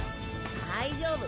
大丈夫！